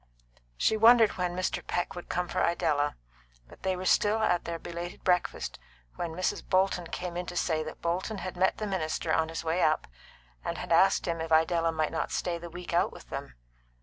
She wondered when Mr. Peck would come for Idella, but they were still at their belated breakfast when Mrs. Bolton came in to say that Bolton had met the minister on his way up, and had asked him if Idella might not stay the week out with them.